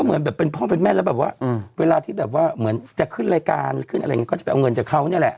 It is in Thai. เหมือนแบบเป็นพ่อเป็นแม่แล้วแบบว่าเวลาที่แบบว่าเหมือนจะขึ้นรายการขึ้นอะไรอย่างนี้ก็จะไปเอาเงินจากเขาเนี่ยแหละ